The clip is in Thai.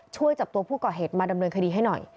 ช่วยจับตัวผู้ก่อเหตุมาดำเนินคดีให้หน่อย